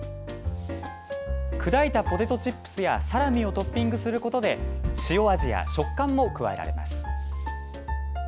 砕いたポテトチップスやサラミをトッピングすることで塩味や食感も加えられます。